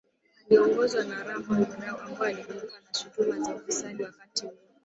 iliyoongozwa na Ramon Grau ambayo ilikumbwa na shutuma za ufisadi wakati huo